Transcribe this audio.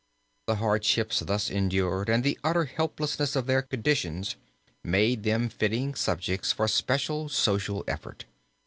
The hardships thus endured and the utter helplessness of their conditions made them fitting subjects for special social effort.